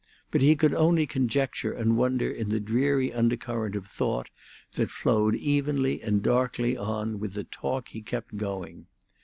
But he could only conjecture and wonder in the dreary undercurrent of thought that flowed evenly and darkly on with the talk he kept going.